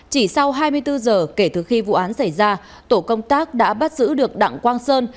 chỉ sau hai mươi bốn giờ kể từ khi vụ án xảy ra tổ công tác đã bắt giữ được đặng quang sơn